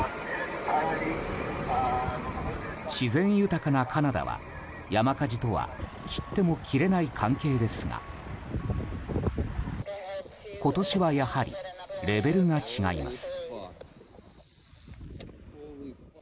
自然豊かなカナダは山火事とは切っても切れない関係ですが今年はやはりレベルが違います。